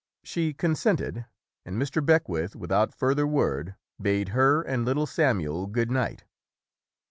She con sented and Mr. Beckwith, without further word, bade her and little Samuel good night.